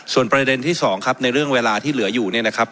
ส่วนประเด็นที่๒ครับในเรื่องเวลาที่เหลืออยู่เนี่ยนะครับ